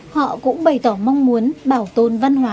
họ cũng bày tỏ mong muốn bảo tồn văn hóa